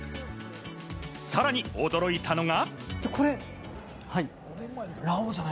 さらに驚いたのが。